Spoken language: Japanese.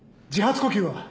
自発呼吸は？